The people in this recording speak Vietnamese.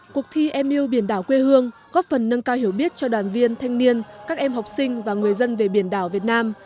cuộc thi em yêu biển đảo quê hương góp phần nâng cao hiểu biết cho đoàn viên thanh niên các em học sinh và người dân về biển đảo việt nam